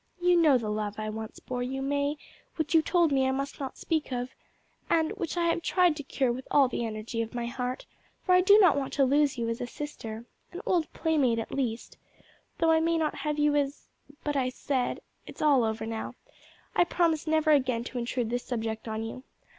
You know the love I once bore you, May, which you told me I must not speak of, and which I have tried to cure with all the energy of my heart, for I do not want to lose you as a sister an old playmate at least though I may not have you as But, as I said, it's all over now. I promise never again to intrude this subject on you.